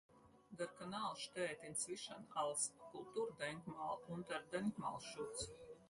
Der Kanal steht inzwischen als Kulturdenkmal unter Denkmalschutz.